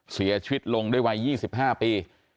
เสียชีวิตลงด้วยวัย๒๕ปี